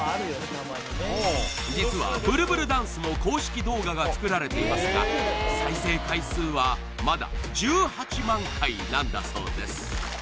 実はブルブルダンスも公式動画が作られていますが再生回数はまだ１８万回なんだそうです